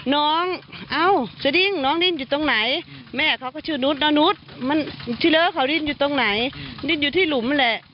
น้องเอ้าสดิ้งน้องดิ้นอยู่ตรงไหนแม่เขาก็ชื่อนุษนุษย์ที่เหลือเขาดิ้นอยู่ตรงไหนดิ้นอยู่ที่หลุมนั่นแหละ